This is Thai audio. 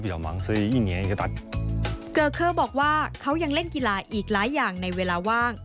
เพราะมีการทำกีฬาอีกหลายอย่างในเวลาว่าง